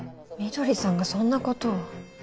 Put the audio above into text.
翠さんがそんなことを！？